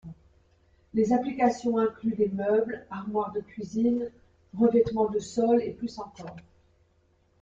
Les applications incluent les meubles, armoires de cuisine, revêtements de sol et plus encore.